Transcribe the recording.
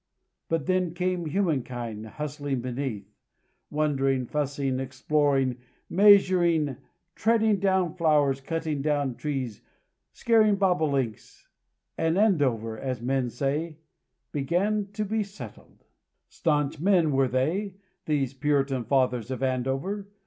But then came human kind bustling beneath; wondering, fussing, exploring, measuring, treading down flowers, cutting down trees, scaring bobalinks and Andover, as men say, began to be settled. Staunch men were they these Puritan fathers of Andover.